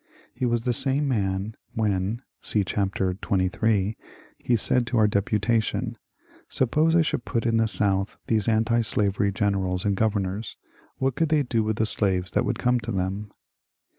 He was the same man when (see chapter xxiii) he said to our deputation :^^ Suppose I should put in the South these antislavery generals and governors ; what could they do with the slaves that would come to them